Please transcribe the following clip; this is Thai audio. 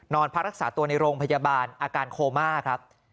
พักรักษาตัวในโรงพยาบาลอาการโคม่าครับ